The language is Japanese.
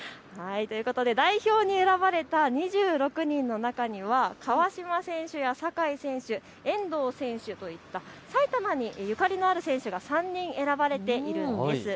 代表に選ばれた２６人の中には川島選手や酒井選手、遠藤選手といった埼玉にゆかりのある選手が３人選ばれているんです。